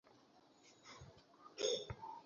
Phone বন্ধ করো।